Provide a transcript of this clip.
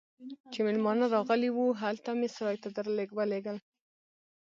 چې مېلمانه راغلي وو، هلته مې سرای ته درولږل.